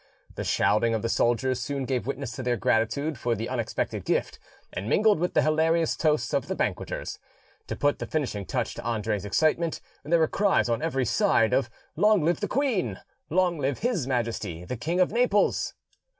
The shouting of the soldiers soon gave witness to their gratitude for the unexpected gift, and mingled with the hilarious toasts of the banqueters. To put the finishing touch to Andre's excitement, there were cries on every side of "Long live the Queen! Long live His Majesty the King of Naples!"